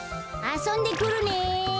あそんでくるね。